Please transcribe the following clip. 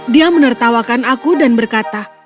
dia menertawakan aku dan berkata